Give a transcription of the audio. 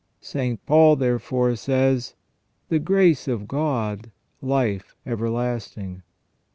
St. Paul, therefore, says :" The grace of God, life everlasting